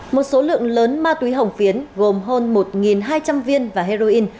một số lượng lớn ma túy hồng phiến gồm hơn một hai trăm linh viên và heroin